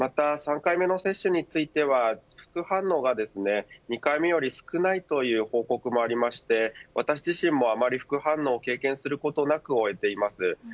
また、３回目接種については副反応が２回目より少ないという報告もありまして私自身もあまり副反応を経験することなく終えています。